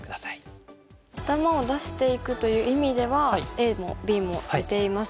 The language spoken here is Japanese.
頭を出していくという意味ではＡもＢも似ていますよね。